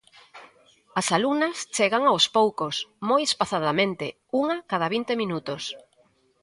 As alumnas chegan aos poucos, moi espazadamente, unha cada vinte minutos.